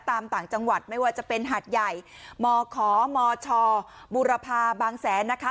ต่างจังหวัดไม่ว่าจะเป็นหาดใหญ่มขมชบูรพาบางแสนนะคะ